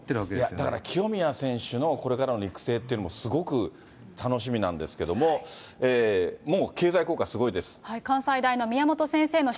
だから、清宮選手のこれからの育成というのもすごく楽しみなんですけども、もう経済効果すごいです。